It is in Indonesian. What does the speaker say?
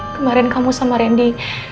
kemarin kamu sama randy